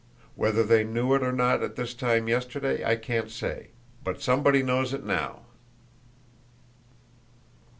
Whether they knew it or not at this time yesterday I can't say, but somebody knows it now."